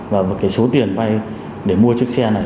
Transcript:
và số tiền vay để mua chiếc xe này